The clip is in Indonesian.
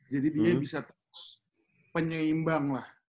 jadi dia bisa terus penyeimbang lah